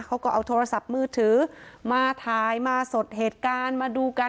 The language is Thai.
เขาก็เอาโทรศัพท์มือถือมาถ่ายมาสดเหตุการณ์มาดูกัน